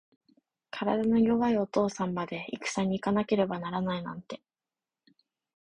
体の弱いお父さんまで、いくさに行かなければならないなんて。